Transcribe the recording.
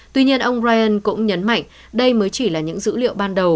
tuy nhiên ông ryan cũng nhấn mạnh đây mới chỉ là những dữ liệu ban đầu